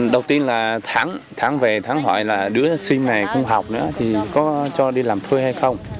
đầu tiên là thắng thắng về thắng hỏi là đứa sinh này không học nữa thì có cho đi làm thuê hay không